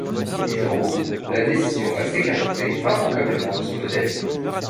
Mise en route, la décision va s'écarter immanquablement de son modèle.